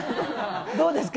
どうですか？